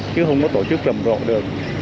chứ không có tổ chức rầm rộ được